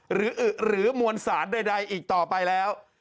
หรืออึหรือมวลสารใดอีกต่อไปแล้ว